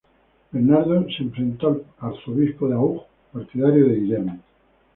Bernardo se enfrentó al arzobispo de Auch, partidario de Guillermo.